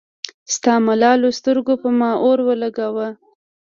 ستا ملالو سترګو پۀ ما اور اولګوو